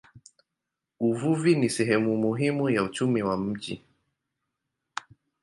Uvuvi ni sehemu muhimu ya uchumi wa mji.